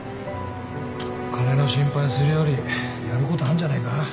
金の心配するよりやることあんじゃねえか？